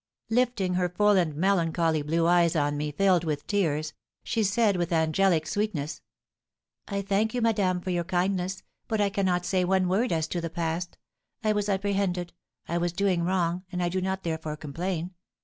"Lifting her full and melancholy blue eyes on me, filled with tears, she said, with angelic sweetness, 'I thank you, madame, for your kindness; but I cannot say one word as to the past; I was apprehended, I was doing wrong, and I do not therefore complain.'